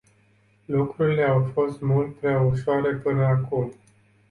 Lucrurile au fost mult prea ușoare până acum.